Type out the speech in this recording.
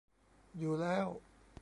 อยู่แล้ว